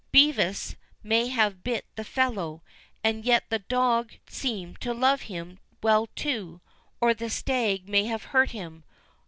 Bevis may have bit the fellow, and yet the dog seemed to love him well too, or the stag may have hurt him.